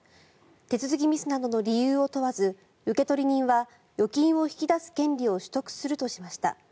手続きミスなどの理由を問わず受取人は預金を引き出す権利を取得するとしました。